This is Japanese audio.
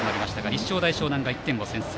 立正大淞南が１点を先制。